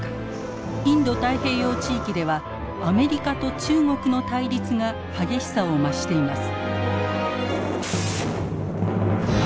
インド太平洋地域ではアメリカと中国の対立が激しさを増しています。